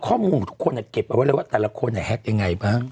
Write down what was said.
ข้อมูลทุกคนเนี่ยเก็บไว้เลยว่าแต่ละคนเนี่ยแฮ็กยังไงบ้าง